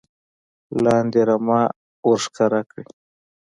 لاندې رمه ور ښکاره کړي .